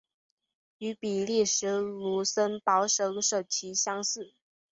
与比利时卢森堡省省旗类似。